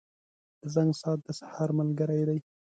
• د زنګ ساعت د سهار ملګری دی.